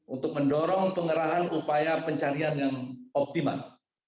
untuk mendorong pengerahan upaya pencarian yang optimal